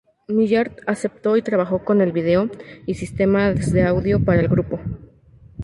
Millard aceptó y trabajó con el vídeo y sistemas de audio para el grupo.